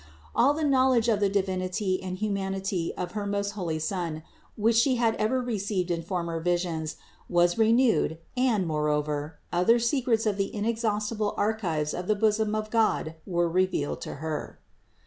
All the knowledge of the Divinity and humanity of her most holy Son, which She had ever received in former visions was renewed and, moreover, other secrets of the inexhaustible archives of the bosom of God were revealed to Her.